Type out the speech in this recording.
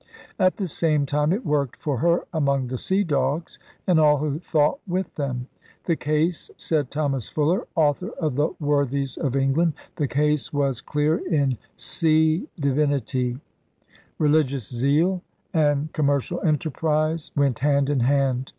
At the same time it worked for her among the sea dogs and all who thought with them. 'The case,' said Thomas Fuller, author of The Worthies of England, *the case was clear in sea divinitie/ Religious zeal and com mercial enterprise went hand in hand.